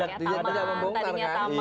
tadinya taman gitu ya